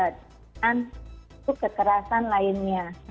dan itu kekerasan lainnya